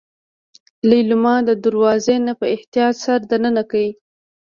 ليلما له دروازې نه په احتياط سر دننه کړ.